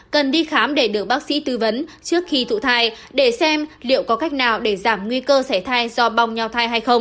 cần đi khám để được bác sĩ tư vấn trước khi thụ thai để xem liệu có cách nào để giảm nguy cơ sẻ thai do bong nhau thai hay không